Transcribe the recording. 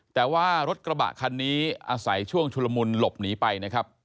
แต่ว่ารถกระบะคันนี้อาศัยช่วงชุลมุนหลบหนีไปนะครับ